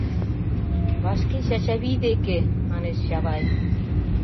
— Вашке Чачавий деке! — манеш Чавай.